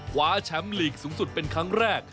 คว้าแชมป์ลีกสูงสุดเป็นครั้งแรก